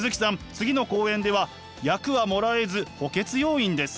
次の公演では役はもらえず補欠要員です。